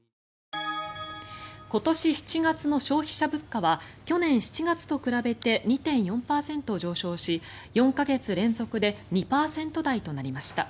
今年７月の消費者物価は去年７月と比べて２．４％上昇し、４か月連続で２％台となりました。